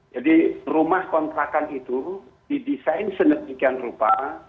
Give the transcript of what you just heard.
jadi rumah kontrakan itu didesain sedemikian rupa